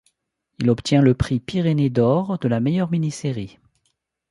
Il y obtient le prix Pyrénées d'or de la meilleure mini-série.